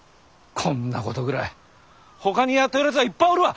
こんなことぐらいほかにやっとるやつはいっぱいおるわ！